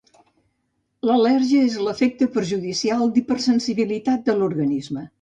L'al·lèrgia és l'efecte perjudicial d'hipersensibilitat de l'organisme.